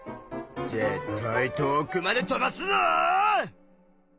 ぜったい遠くまで飛ばすぞ！